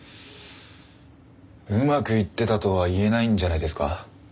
うまくいってたとは言えないんじゃないですか。